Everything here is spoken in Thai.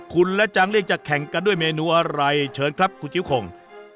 คุณและจางเลี่ยงจะแข่งกันด้วยเมนูอะไรเชิญครับคุณคิ้วข่ง